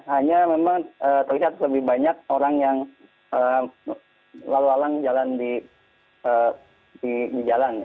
hanya memang terlihat lebih banyak orang yang lalu alang jalan di jalan